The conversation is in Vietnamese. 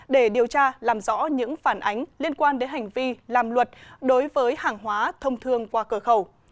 để điều tra làm rõ những phản ánh liên quan đến hành vi làm luật đối với hàng hóa thông thương qua cửa khẩu